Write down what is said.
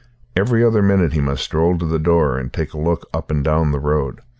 Every other minute he must stroll to the door and take a look up and down the road.